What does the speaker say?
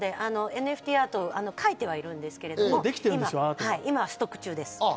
ＮＦＴアートを描いてはいるんですけれども、今ストック中です。